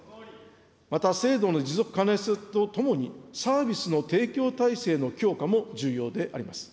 また制度の持続可能性とともに、サービスの提供体制の強化も重要であります。